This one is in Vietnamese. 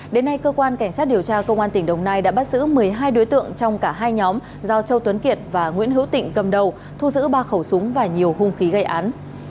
đến nay cơ quan cảnh sát điều tra công an tỉnh đồng nai đã bắt giữ một mươi hai đối tượng trong cả hai nhóm do châu tuấn kiệt và nguyễn hữu tịnh cầm đầu thu giữ ba khẩu súng và nhiều hung khí gây án